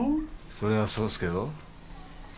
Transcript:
そりゃそうスけど。